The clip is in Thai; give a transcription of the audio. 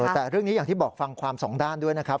แต่เรื่องนี้อย่างที่บอกฟังความสองด้านด้วยนะครับ